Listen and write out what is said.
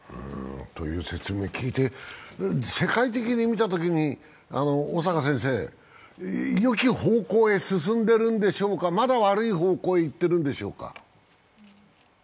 という説明を聞いて、世界的に見たときに、小坂先生、よき方向へ進んでいるんでしょうか、まだ悪い方向へいっているんでしょうか？